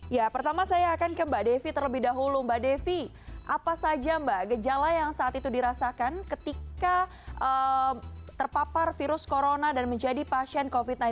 ya pertama saya akan ke mbak devi terlebih dahulu mbak devi apa saja mbak gejala yang saat itu dirasakan ketika terpapar virus corona dan menjadi pasien covid sembilan belas